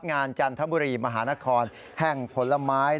จันทบุรีมหานครแห่งผลไม้